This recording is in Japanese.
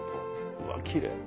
うわきれい。